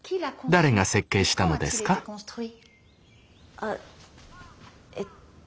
あえっと。